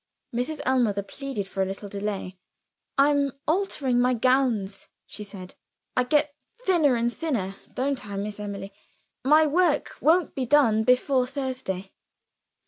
Mrs. Ellmother pleaded for a little delay. "I'm altering my gowns," she said. "I get thinner and thinner don't I, Miss Emily? My work won't be done before Thursday."